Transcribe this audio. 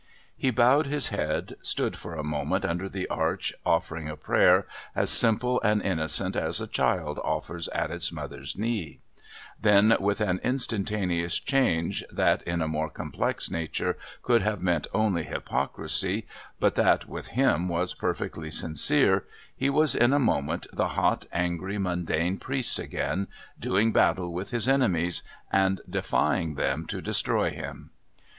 He bowed his head, stood for a moment under the arch offering a prayer as simple and innocent as a child offers at its mother's knee, then with an instantaneous change that in a more complex nature could have meant only hypocrisy, but that with him was perfectly sincere, he was in a moment the hot, angry, mundane priest again, doing battle with his enemies and defying them to destroy him.